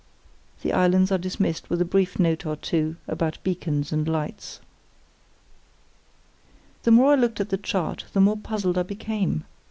The islands are dismissed with a brief note or two about beacons and lights. The more I looked at the chart the more puzzled I became.